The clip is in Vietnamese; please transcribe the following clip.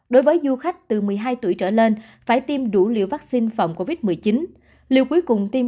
đối với du khách từ một mươi hai tuổi trở lên phải tiêm đủ liều vaccine phòng covid một mươi chín liều cuối cùng tiêm